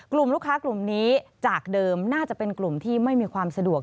กลุ่มลูกค้ากลุ่มนี้จากเดิมน่าจะเป็นกลุ่มที่ไม่มีความสะดวก